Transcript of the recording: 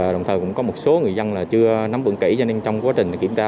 đồng thời cũng có một số người dân chưa nắm vững kỹ cho nên trong quá trình kiểm tra